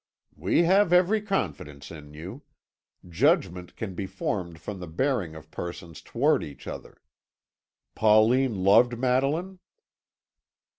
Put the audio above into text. "We have every confidence in you. Judgment can be formed from the bearing of persons towards each other. Pauline loved Madeline?"